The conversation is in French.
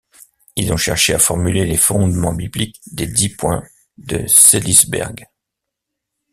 Ils ont cherché à formuler les fondements bibliques des dix points de Seelisberg.